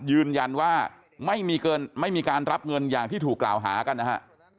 ยืนยันว่าไม่มีการรับเงินอย่างที่ถูกกล่าวหากันนะฮะ